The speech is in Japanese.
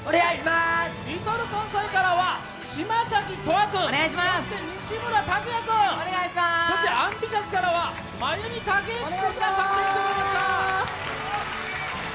Ｌｉｌかんさいからは嶋崎斗亜君、そして西村拓哉君、ＡｍＢｉｔｉｏｕｓからは真弓孟之君に参戦いただきました。